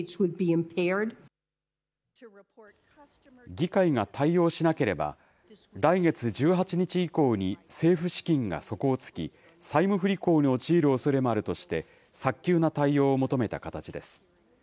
議会が対応しなければ、来月１８日以降に政府資金が底をつき、債務不履行に陥るおそれもあるとして、早急な対応を求めた形です。